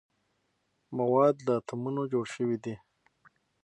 مواد له اتومونو جوړ شوي دي.